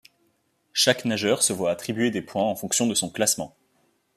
Chaque nageur se voit attribuer des points en fonction de son classement.